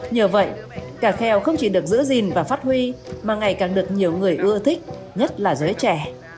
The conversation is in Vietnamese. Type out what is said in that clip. nhờ vậy cả kheo không chỉ được giữ gìn và phát huy mà ngày càng được nhiều người ưa thích nhất là giới trẻ